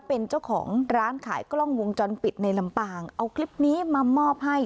เป็นเจ้าของร้านขายกล้องวงจรปิดในลำปางเอาคลิปนี้มามอบให้